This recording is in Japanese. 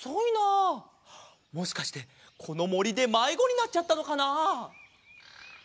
もしかしてこのもりでまいごになっちゃったのかなあ。